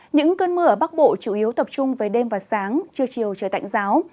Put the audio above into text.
những cơn mưa ở bắc bộ chủ yếu tập trung về đêm và sáng trưa chiều trời tạnh giáo